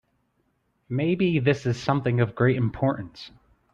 Maybe this is something of great importance.